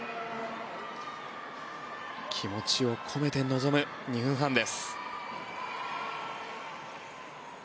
気持ちを込めて臨む２分半です。